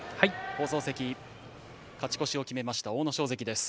勝ち越しを決めました阿武咲関です。